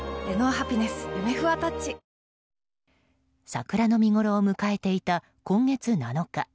桜の見ごろを迎えていた今月７日。